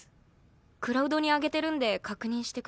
クラウドに上げてるんで確認してください。